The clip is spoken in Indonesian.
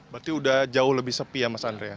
berarti udah jauh lebih sepi ya mas andre